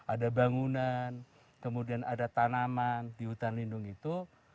ada bangunan kemudian ada tanaman di hutan lindung itu